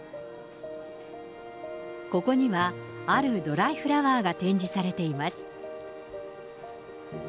ここにはあるドライフラワーが展示されています。